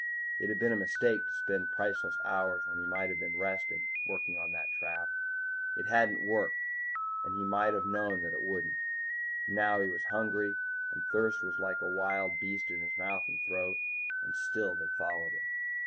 It had been a mistake to spend priceless hours when he might have been resting working on that trap. It hadn't worked, and he might have known that it wouldn't. And now he was hungry, and thirst was like a wild beast in his mouth and throat, and still they followed him.